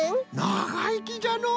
ながいきじゃのう！